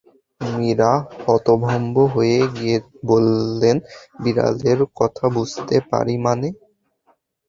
মীরা হতভম্ব হয়ে বললেন, বিড়ালের কথা বুঝতে পারি মানে!